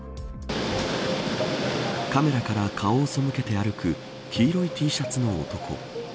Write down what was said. カメラから顔を背けて歩く黄色いＴシャツの男。